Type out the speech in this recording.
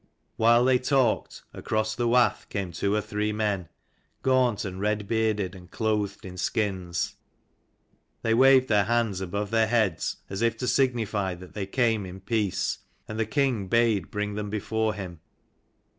While they talked, across the wath came two or three men, gaunt and red bearded and clothed in skins. They waved their hands above their heads as if to signify that they came in peace : and the king bade bring them before him.